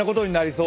そう